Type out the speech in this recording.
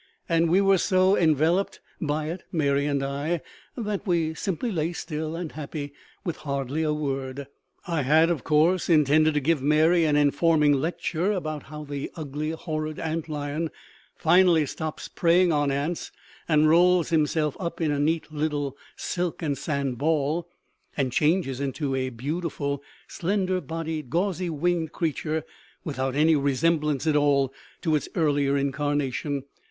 And we were so enveloped by it, Mary and I, that we simply lay still and happy, with hardly a word. I had, of course, intended to give Mary an informing lecture about how the ugly, horrid ant lion finally stops preying on ants and rolls himself up in a neat little silk and sand ball, and changes into a beautiful, slender bodied, gauzy winged creature without any resemblance at all to its earlier incarnation.